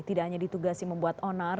tidak hanya ditugasi membuat onar